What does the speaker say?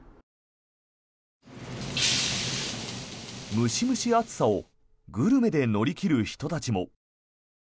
ムシムシ暑さをグルメで乗り切る人たちも。